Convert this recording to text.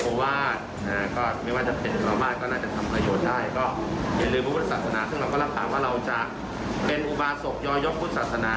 ก็อย่าลืมบุพรศาสนาซึ่งเราก็ลำถามว่าเราจะเป็นอุบาทศกยยกฐุศาสนา